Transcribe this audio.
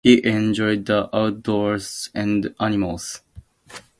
He enjoyed the outdoors and animals.